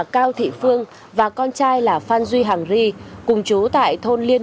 chào các em